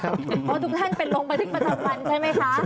เพราะทุกท่านไปลงบันทึกประจำวันใช่ไหมคะ